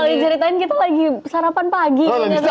tadi kalau di ceritain kita lagi sarapan pagi